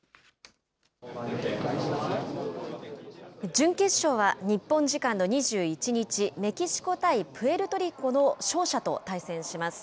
準決勝は日本時間の２１日、メキシコ対プエルトリコの勝者と対戦します。